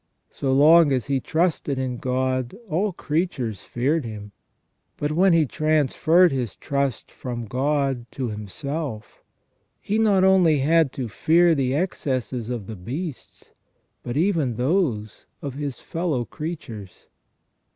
So long as he trusted in God all creatures feared him, but when he transferred his trust from God to himself, he not only had to fear the excesses of the beasts, but even those of his fellow creatures.